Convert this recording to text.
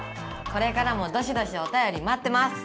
これからもどしどしおたよりまってます！